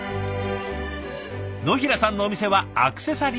野平さんのお店はアクセサリーショップ。